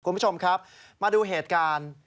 คุณผู้ชมครับมาดูเหตุการณ์